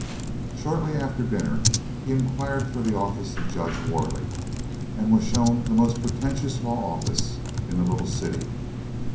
Shortly after dinner he inquired for the office of Judge Worley, and was shown the most pretentious law office in the little city.